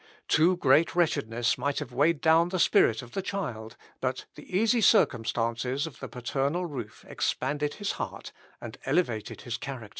Too great wretchedness might have weighed down the spirit of the child, but the easy circumstances of the paternal roof expanded his heart, and elevated his character.